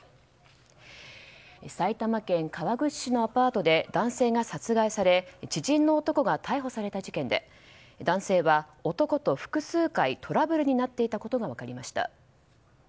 埼玉県川口市のアパートで男性が殺害され知人の男が逮捕された事件で男性は男と複数回トラブルになっていたことが分かりました。